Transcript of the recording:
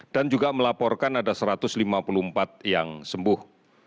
dan juga melaporkan ada satu ratus lima puluh empat yang sembuh